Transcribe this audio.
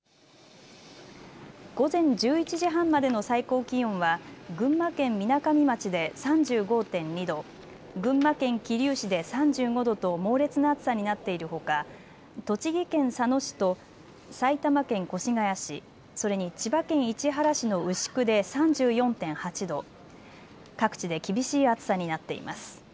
午前１１時半までの最高気温は群馬県みなかみ町で３５．２度、群馬県桐生市で３５度と猛烈な暑さになっているほか、栃木県佐野市と埼玉県越谷市、それに千葉県市原市の牛久で３４．８度、各地で厳しい暑さになっています。